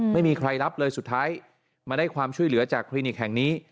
ไม่มีใครรับเลยสุดท้ายมาได้ความช่วยเหลือจากคลินิกแห่งนี้